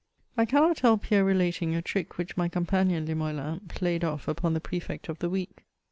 I cannot help here relating a trick which my companion Limoelan played off upon the Prefect of the week.